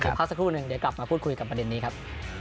พักสักครู่หนึ่งเดี๋ยวกลับมาพูดคุยกับประเด็นนี้ครับ